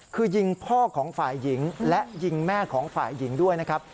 คือยิงพ่อของฝ่ายหญิงและยิงแม่ของฝ่ายหญิงด้วยนะครับ